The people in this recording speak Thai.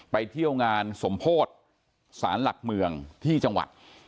ไปเที่ยวงานสมโพธิสารหลักเมืองที่จังหวัด